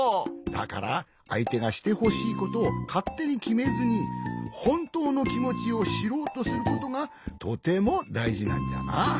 だからあいてがしてほしいことをかってにきめずにほんとうのきもちをしろうとすることがとてもだいじなんじゃな。